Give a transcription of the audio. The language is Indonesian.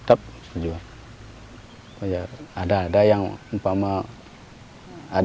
ada ada yang mpama adiknya bisa jalan bisa jalan